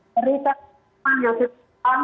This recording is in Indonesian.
berikan penuntutan yang sebutan